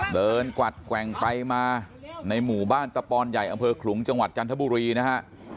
กวัดแกว่งไปมาในหมู่บ้านตะปอนใหญ่อำเภอขลุงจังหวัดจันทบุรีนะฮะ